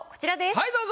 はいどうぞ。